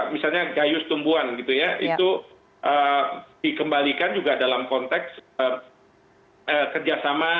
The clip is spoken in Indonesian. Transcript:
misalnya gayus tumbuhan gitu ya itu dikembalikan juga dalam konteks kerjasama